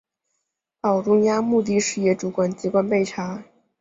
报中央目的事业主管机关备查